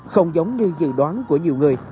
không giống như dự đoán của nhiều người